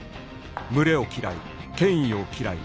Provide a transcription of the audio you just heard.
群れを嫌い権威を嫌い